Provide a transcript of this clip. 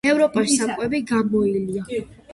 ევროპაში საკვები გამოილია.